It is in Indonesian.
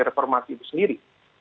reformasi itu sendiri